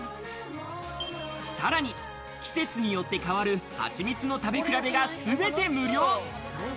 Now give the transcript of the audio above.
さらに季節によって変わる、ハチミツの食べ比べがすべて無料。